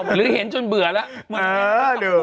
หรือเห็นจนเบื่อแล้ว